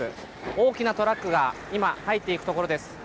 大きなトラックが今入っていくところです。